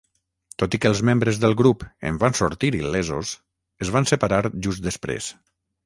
Tot i que els membres del grup en van sortir il·lesos, es van separar just després.